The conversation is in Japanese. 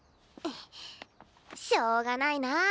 しょうがないなあ。